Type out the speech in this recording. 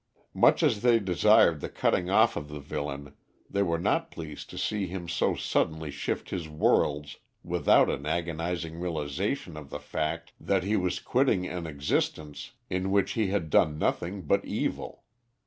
Much as they desired the cutting off of the villain, they were not pleased to see him so suddenly shift his worlds without an agonising realisation of the fact that he was quitting an existence in which he had done nothing but evil.